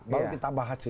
baru kita bahas ini